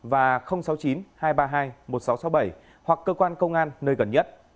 và sáu mươi chín hai trăm ba mươi hai một nghìn sáu trăm sáu mươi bảy hoặc cơ quan công an nơi gần nhất